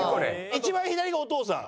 一番左がお父さん？